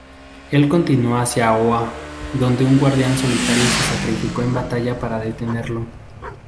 Él continuó hacia Oa donde un Guardián solitario se sacrificó en batalla para detenerlo.